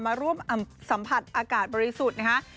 มาร่วมสัมผัสอากาศบริสุทธิ์นะคะ